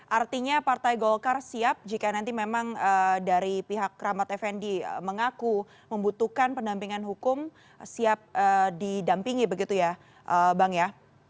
artinya partai golkar siap jika nanti memang dari pihak rahmat effendi mengaku membutuhkan pendampingan hukum siap didampingi begitu ya bang ya